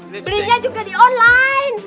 belinya juga di online